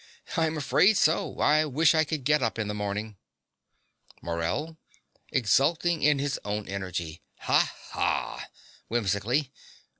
I'm afraid so. I wish I could get up in the morning. MORELL (exulting in his own energy). Ha! ha! (Whimsically.)